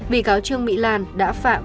bị cáo trương mỹ lan đã phạm